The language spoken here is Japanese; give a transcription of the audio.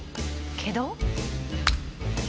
「けど」？